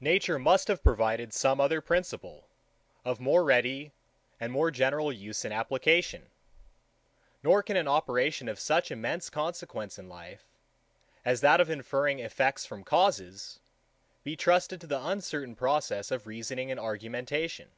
Nature must have provided some other principle, of more ready, and more general use and application; nor can an operation of such immense consequence in life, as that of inferring effects from causes, be trusted to the uncertain process of reasoning and argumentation.